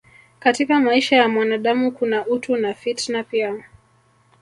Katika maisha ya mwanadamu kuna utu na fitna pia